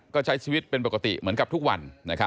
ก็ใช้ชีวิตเป็นปกติเหมือนกับทุกวัน